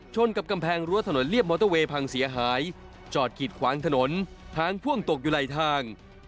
กับกำแพงรั้วถนนเรียบมอเตอร์เวย์พังเสียหายจอดกิดขวางถนนทางพ่วงตกอยู่ไหลทาง